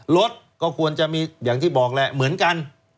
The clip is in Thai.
รถก็ควรจะมีอย่างที่บอกแหละเหมือนกัน